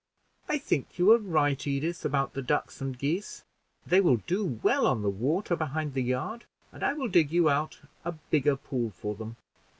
"I think you are right, Edith, about the ducks and geese; they will do well on the water behind the yard, and I will dig you out a bigger pool for them."